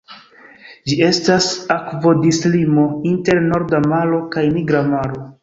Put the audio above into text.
Ĝi estas akvodislimo inter Norda Maro kaj Nigra Maro.